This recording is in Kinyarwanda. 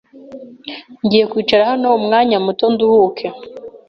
Ngiye kwicara hano umwanya muto nduhuke.